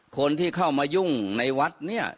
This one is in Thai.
คนที่เข้ามายุ่งในวัดเนี่ย